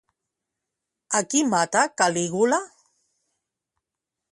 A qui mata Calígula?